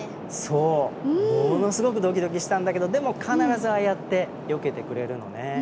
そうものすごくドキドキしたんだけどでも必ずああやってよけてくれるのね。